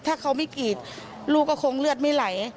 ถ้าเขาไม่กรีดลูกก็คงเลือดไม่ไหล